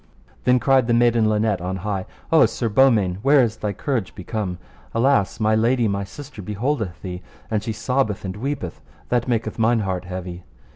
Then cried the maiden Linet on high: O Sir Beaumains, where is thy courage become? Alas, my lady my sister beholdeth thee, and she sobbeth and weepeth, that maketh mine heart heavy.